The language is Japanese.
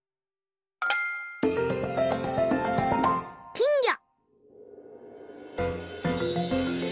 きんぎょ。